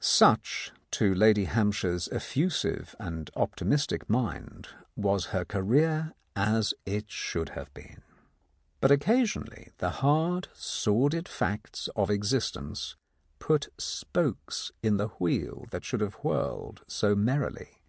Such to Lady Hampshire's effusive and opti mistic mind was her career as it should have been. But occasionally the hard sordid facts of existence "put spokes" in the wheel that should have whirled so merrily.